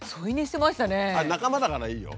あれ仲間だからいいよ。